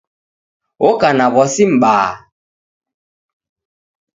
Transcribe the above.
Oka na w'asi mbaha